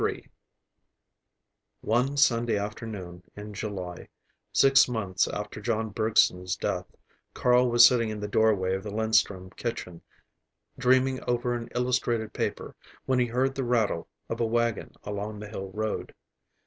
III One Sunday afternoon in July, six months after John Bergson's death, Carl was sitting in the doorway of the Linstrum kitchen, dreaming over an illustrated paper, when he heard the rattle of a wagon along the hill road.